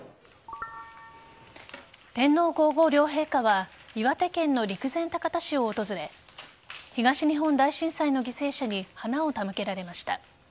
天皇皇后両陛下は岩手県の陸前高田市を訪れ東日本大震災の犠牲者に花を手向けられました。